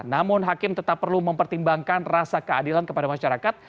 namun hakim tetap perlu mempertimbangkan rasa keadilan kepada masyarakat